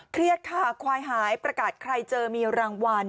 เครียดค่ะควายหายประกาศใครเจอมีรางวัล